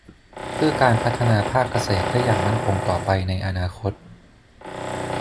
เพื่อการพัฒนาภาคเกษตรได้อย่างมั่นคงต่อไปในอนาคต